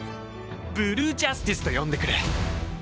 ブルージャスティスと呼んでくれ。